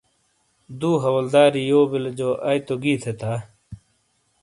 دو حولداری یو بیلے جو آئی تو گی تھے تا ۔